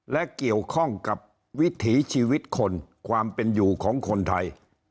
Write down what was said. และเกี่ยวข้องกับวิถีชีวิตคนความเป็นอยู่ของคนไทย